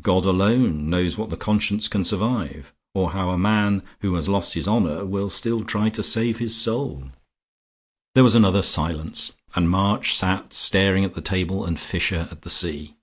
God alone knows what the conscience can survive, or how a man who has lost his honor will still try to save his soul." There was another silence, and March sat staring at the table and Fisher at the sea.